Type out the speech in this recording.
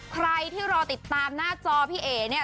ใครที่รอติดตามหน้าจอพี่เอ๋เนี่ย